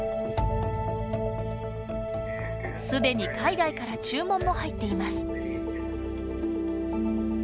すでに海外から注文も入っています。